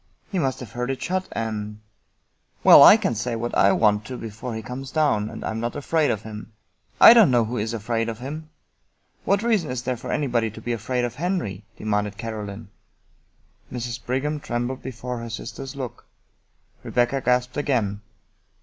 " He must have heard it shut, and "" Well, I can say what I want to before he comes down, and I am not afraid of him." "I don't know who is afraid of him! What reason is there for anybody to be afraid of Henry? " demanded Caro line. Mrs. Brigham trembled before her sister's look. Rebecca gasped again.